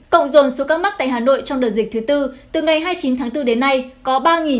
cộng dồn số các mắc tại hà nội trong đợt dịch thứ bốn từ ngày hai mươi chín tháng bốn đến nay có ba chín trăm năm mươi chín